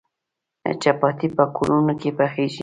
چپاتي په کورونو کې پخیږي.